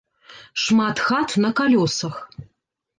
Шмат хат на калёсах.